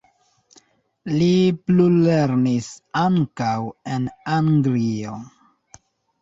Li plulernis ankaŭ en Anglio.